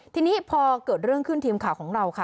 ทีนี้พอเกิดเรื่องขึ้นทีมข่าวของเราค่ะ